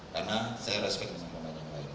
karena saya respect misal pemain yang lain